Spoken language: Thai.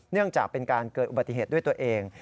เนื่องจากเป็นการเกิดอุบัติเหตุด้วยตัวเอง